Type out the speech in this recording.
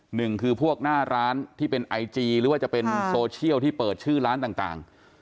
หนึ่งคือพวกหน้าร้านที่เป็นไอจีหรือว่าจะเป็นโซเชียลที่เปิดชื่อร้านต่าง